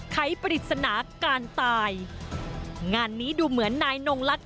ไขปริศนาการตายงานนี้ดูเหมือนนายนงลักษ